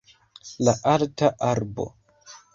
La alta arbo